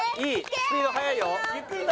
スピード速いよ。